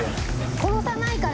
殺さないから。